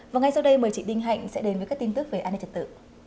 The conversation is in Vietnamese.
và ngay sau đây mời chị đinh hạnh sẽ đến với các tin tức về an ninh trật tự